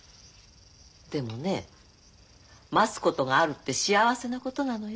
でもね待つことがあるって幸せなことなのよ。